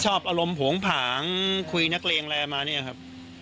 ชอบอารมณ์โผงผางขามั้นเนี่ยครับ